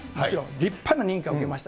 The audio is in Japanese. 立派な認可を受けました。